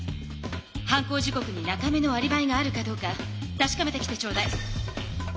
犯行時刻に中目のアリバイがあるかどうかたしかめてきてちょうだい。